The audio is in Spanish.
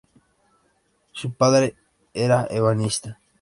Su padre era ebanista.